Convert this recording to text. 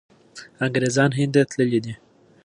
انګریزان هند ته تللي دي.